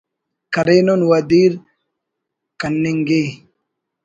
کرینن و دیر کننگ ءِ